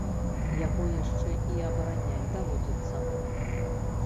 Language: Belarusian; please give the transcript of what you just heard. Яго яшчэ і абараняць даводзіцца.